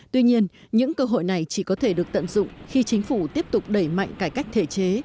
tuy nhiên những cơ hội này chỉ có thể được tận dụng khi chính phủ tiếp tục đẩy mạnh cải cách thể chế